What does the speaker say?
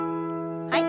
はい。